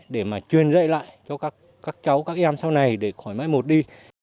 để mà truyền dạy lại cho các cháu các em sau này để khỏi mai một đi